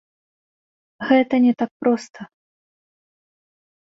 Гэта не так проста.